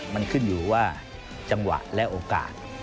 มันขึ้นอยู่ว่าจังหวะและโอกาส